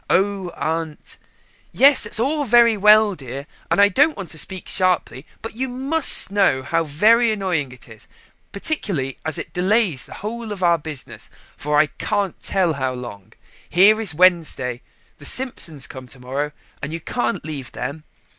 "Oh, aunt " "Yes, that's all very well, dear, and I don't want to speak sharply, but you must know how very annoying it is: particularly as it delays the whole of our business for I can't tell how long: here is Wednesday the Simpsons come to morrow, and you can't leave them.